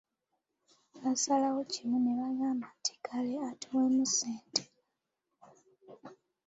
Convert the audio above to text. Baasalawo kimu ne bagamba nti:"kale atuweemu ssente"